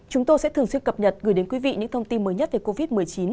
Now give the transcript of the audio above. chúng tôi sẽ thường xuyên cập nhật gửi đến quý vị những thông tin mới nhất về covid một mươi chín